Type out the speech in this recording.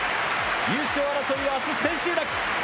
優勝争いは、あす千秋楽。